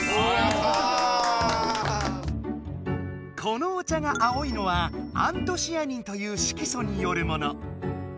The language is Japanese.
このお茶が青いのはアントシアニンという色素によるもの。